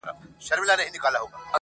• خلک د پېښې خبري کوي,